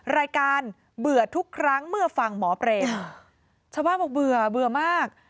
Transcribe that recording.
บรรยากาศเบื่อทุกครั้งเมื่อฟังหมอเปรมชาวบ้านบอกเบื่อเบื่อมาก